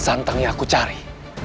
santang yang aku cari